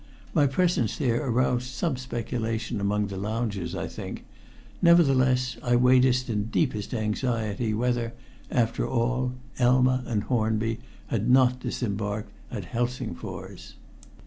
My presence there aroused some speculation among the loungers, I think; nevertheless, I waited in deepest anxiety whether, after all, Elma and Hornby had not disembarked at Helsingfors.